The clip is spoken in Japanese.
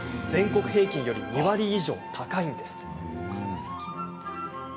全国平均より２割以上高いんです。